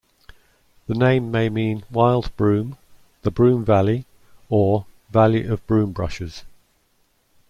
The name may mean "wild broom", the "broom valley", or "valley of broombushes".